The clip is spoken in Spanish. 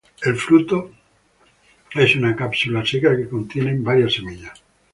El fruto es una cápsula seca que contienen varias semillas.